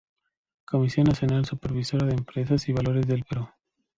Comisión Nacional Supervisora de Empresas y Valores del Perú